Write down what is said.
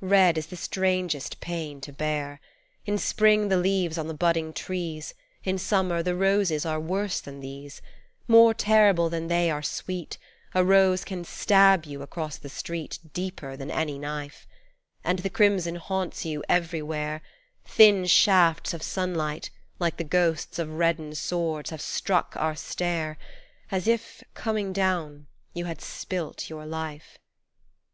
33 Red is the strangest pain to bear ; In Spring the leaves on the budding trees ; Tn Summer the roses are worse than these, More terrible than they are sweet : A rose can stab you across the street Deeper than any knife : And the crimson haunts you everywhere Thin shafts of sunlight, like the ghosts of reddened swords have struck our stair As if, coming down, you had spilt your life.